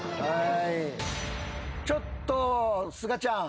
ちょっとすがちゃん。